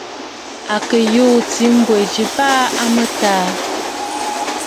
À kɨ̀ yùû ɨ̀tǐ mbwɛ̀ ji baa a mɨtaa.